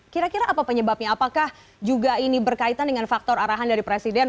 kira kira apa penyebabnya apakah juga ini berkaitan dengan faktor arahan dari presiden